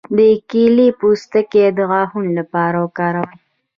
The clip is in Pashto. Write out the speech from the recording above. د کیلې پوستکی د غاښونو لپاره وکاروئ